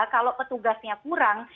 kalau petugasnya kurang